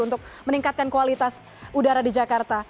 untuk meningkatkan kualitas udara di jakarta